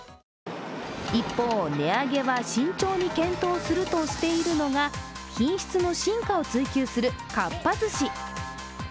一方、値上げは慎重に検討するとしているのが、品質の進化を追求するかっぱ寿司。